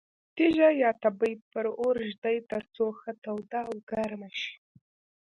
تیږه یا تبۍ پر اور ږدي ترڅو ښه توده او ګرمه شي.